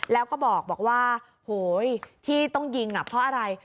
แล้วก็บอกว่าโหยที่ต้องยิงเพราะอะไร